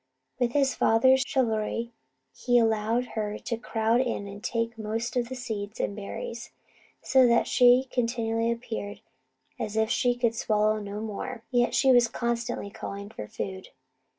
With his father's chivalry he allowed her to crowd in and take the most of the seeds and berries, so that she continually appeared as if she could swallow no more, yet she was constantly calling for food.